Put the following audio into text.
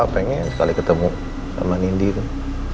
pengen sekali ketemu sama nindi tuh